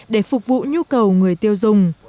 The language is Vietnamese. để phục vụ nhu cầu người tiêu dùng